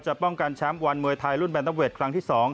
ป้องกันแชมป์วันมวยไทยรุ่นแนนเตอร์เวทครั้งที่๒